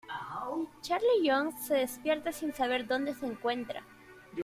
Charlie Johns se despierta sin saber dónde se encuentra.